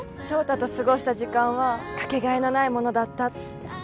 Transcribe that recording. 翔太と過ごした時間は掛け替えのないものだったって。